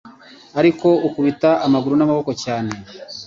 ariko ukubita amaguru n'amaboko cyane